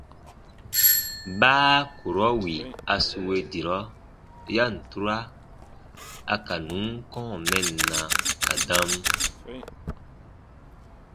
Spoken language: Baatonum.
Baa kurɔ wì a sue dirɔ, ya ǹ tura a ka nùn kɔ̃ɔ mɛnna ka dam.